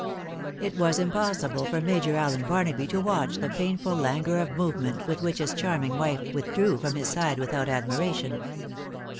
It was impossible for Major Allen Barnaby to watch the painful languor of movement with which his charming wife withdrew from his side without admiration.